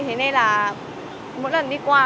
thế nên là mỗi lần đi qua